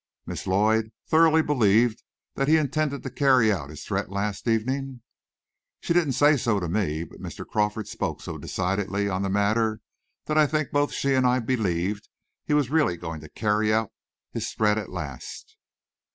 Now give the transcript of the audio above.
"Miss Lloyd thoroughly believed that he intended to carry out his threat last evening?" "She didn't say so to me, but Mr. Crawford spoke so decidedly on the matter, that I think both she and I believed he was really going to carry out his threat at last."